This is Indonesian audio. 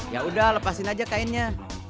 ya udah lepasin aja kainnya